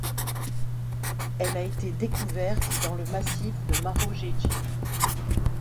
Elle a été découverte dans le massif de Marojejy.